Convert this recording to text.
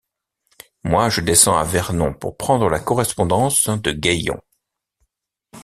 Moi, je descends à Vernon pour prendre la correspondance de Gaillon.